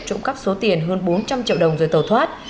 trộm cắp số tiền hơn bốn trăm linh triệu đồng rồi tàu thoát